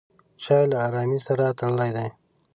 چای له ارامۍ سره تړلی دی.